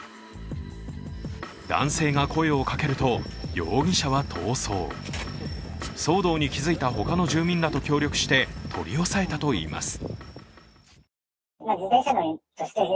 男性が声をかけると、容疑者は逃走騒動に気づいた他の住民らと協力して取り押さえたといいます。